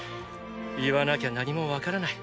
言わなきゃ何もわからない。